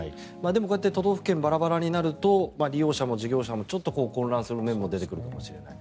でも、こうやって都道府県がバラバラになると利用者も事業者も混乱する面も出てくるかもしれない。